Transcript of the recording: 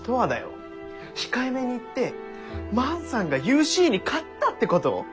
控えめに言って万さんがユーシーに勝ったってこと？